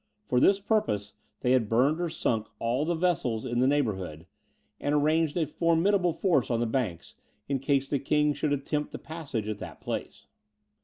For this purpose, they had burned or sunk all the vessels in the neighbourhood, and arranged a formidable force on the banks, in case the king should attempt the passage at that place.